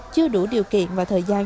chưa đủ điều kiện và thời gian